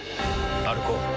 歩こう。